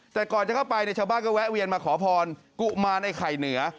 แต่ก่อนจะเข้าไปชาวบ้านก็มาขอพรกุมารไข่เหนือ